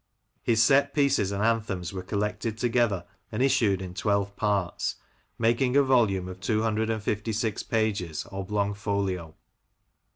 His set pieces and anthems were collected together and issued in twelve parts, making a volume of two hundred and fifty six pages, oblong folio.